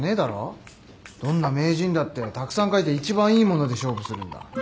どんな名人だってたくさん書いて一番いいもので勝負するんだ。